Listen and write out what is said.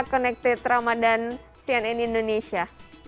konektif ramadan sian in indonesia